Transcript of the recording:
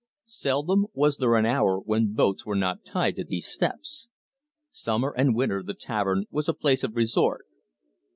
Seldom was there an hour when boats were not tied to these steps. Summer and winter the tavern was a place of resort.